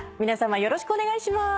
よろしくお願いします。